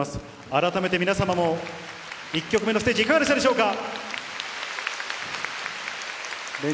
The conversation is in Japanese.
改めて皆様も、１曲目のステージ、いかがでしたでしょうか。